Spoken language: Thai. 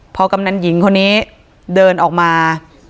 พอกำนันหญิงคนนี้เดินออกมา